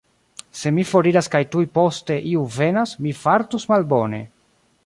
Se mi foriras kaj tuj poste iu venas, mi fartus malbone.